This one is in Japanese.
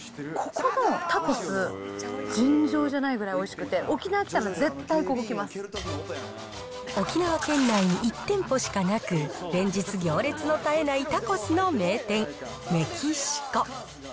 ここのタコス、尋常じゃないぐらいおいしくて、沖縄県内に１店舗しかなく、連日、行列の絶えないタコスの名店、メキシコ。